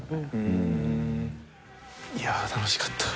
いや楽しかった。